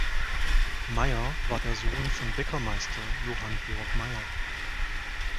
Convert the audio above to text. Meyer war der Sohn von Bäckermeister Johann Georg Meyer.